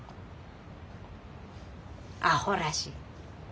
あほらしい。